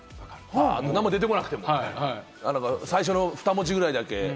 何も出てこなくても最初の２文字ぐらいだけ。